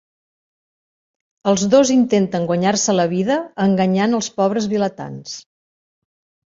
Els dos intenten guanyar-se la vida enganyant als pobres vilatans.